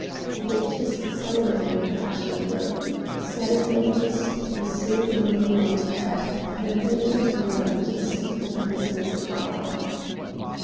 And they kissed silently and passionately: Sergey kissed the silvery white hair, and the old man kissed the prisoner's garb.